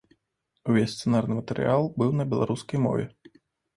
Увесь сцэнарны матэрыял быў на беларускай мове.